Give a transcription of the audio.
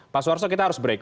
pak suarso kita harus break